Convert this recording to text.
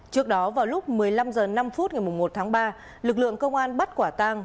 trước đó vào lúc một mươi năm h năm ngày một tháng ba lực lượng công an bắt quả tang